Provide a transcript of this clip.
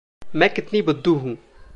मैं कितनी बुद्धू हूँ।